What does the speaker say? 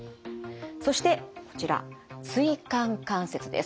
そしてこちら椎間関節です。